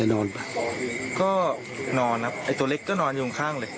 อย่างนอนอ่ะก็นอนนะไอ้ตัวเล็กก็นอนอยู่ข้างเลย